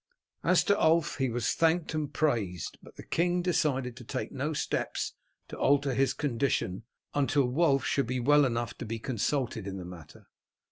As to Ulf he was thanked and praised, but the king decided to take no steps to alter his condition until Wulf should be well enough to be consulted in the matter.